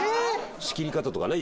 仕切り方とかね